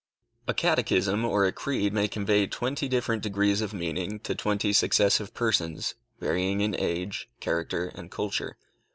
A catechism or a creed may convey twenty different degrees of meaning to twenty successive persons, varying in age, character, and culture.